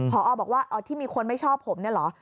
พอบอกว่าที่มีคนไม่ชอบผมเนี่ยเหรอ